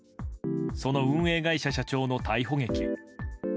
その運営会社社長の逮捕劇。